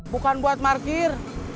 bukan buat market